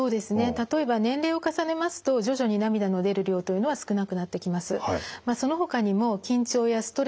例えば年齢を重ねますと徐々に涙の出る量というのは少なくなってきます。